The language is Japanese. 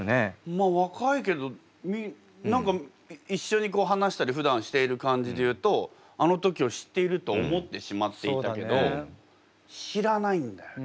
まあ若いけど何か一緒に話したりふだんしている感じでいうとあの時を知っていると思ってしまっていたけど知らないんだよね。